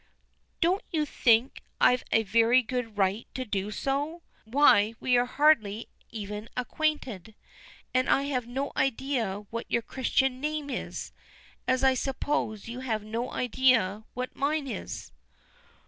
"Don't you think I've a very good right to do so? Why, we are hardly even acquainted, and I have no idea what your Christian name is, as I suppose you have no idea what mine is."